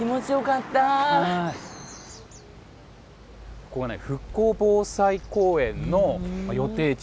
ここはね復興防災公園の予定地。